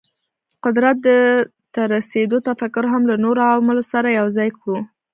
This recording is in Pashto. قدرت ته د رسېدو تفکر هم له نورو عواملو سره یو ځای کړو.